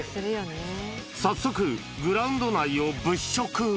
早速、グラウンド内を物色。